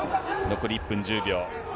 残り１分１０秒。